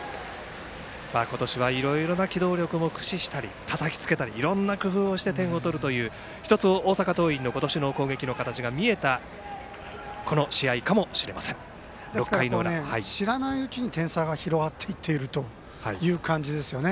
今年はいろいろな機動力も駆使したりたたきつけたりいろんな工夫をして点を取る大阪桐蔭の１つ今年の攻撃の形が見えた知らないうちに点差が広がっていってるという感じですよね。